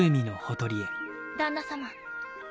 旦那様。